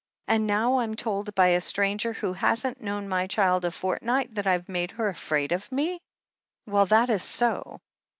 And now Vm told, by a stranger who hasn't known my child a fortnight, that I've made her afraid of me I" "Well, that is so."